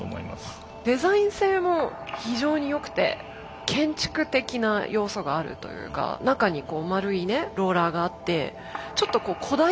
デザイン性も非常に良くて建築的な要素があるというか中にこう丸いねローラーがあってちょっと古代遺跡のような風貌。